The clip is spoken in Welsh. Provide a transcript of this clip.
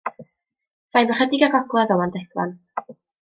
Saif ychydig i'r gogledd o Landegfan.